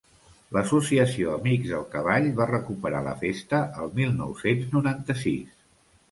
L'Associació Amics del Cavall va recuperar la festa el mil nou-cents noranta-sis.